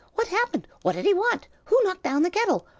What happened? What did he want? Who knocked down the kettle?